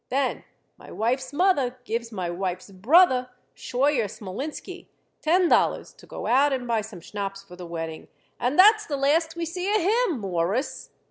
Then my wife's mother gives my wife's brother, Scheuer Smolinski, ten dollars to go out and buy some schnapps for the wedding, and that's the last we see of him, Mawruss.